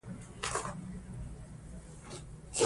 لوستې میندې د ماشوم د خوب وخت تنظیموي.